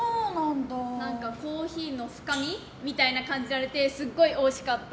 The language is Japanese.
何か、コーヒーの深みみたいなの感じられてすっごいおいしかった。